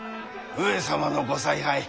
上様のご采配